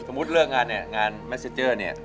สมมุติเลิกงานเนี่ย